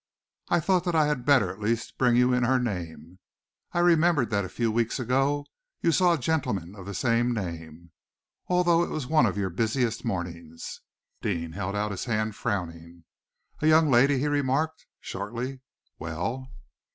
I thought that I had better at least bring you in her name. I remembered that a few weeks ago you saw a gentleman of the same name, although it was one of your busiest mornings." Deane held out his hand, frowning. "A young lady," he remarked shortly. "Well?"